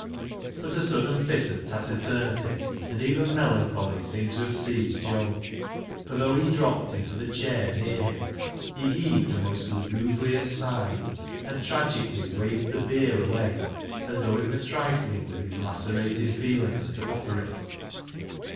But a sudden fit of taciturnity, and even melancholy, seemed to have seized Joe. For though he dropped into the chair near him, he heaved a most lugubrious sigh, and tragically waved the beer away, as though it were trifling with his lacerated feelings to offer it.